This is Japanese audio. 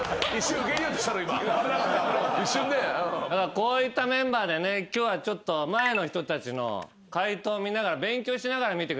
こういったメンバーでね今日はちょっと前の人たちの解答を見ながら勉強しながら見てくださいね。